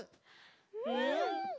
うん！